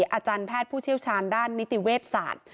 อาจารย์แพทย์ผู้เชี่ยวชาญด้านนิติเวชศาสตร์